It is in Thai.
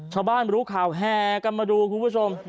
ชาวบ้านรู้ข่าวแห่กันมาดูคุณผู้ชม